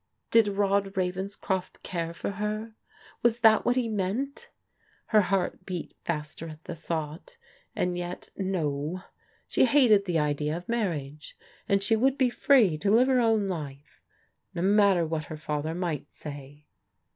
Did Rod Ravenscroft care for her? Was that what he meant ? Her heart beat faster at the thought. And yet, no ! She hated the idea of marriage, and she would be free to live her own life, no matter what her father might say.